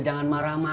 jangan marah man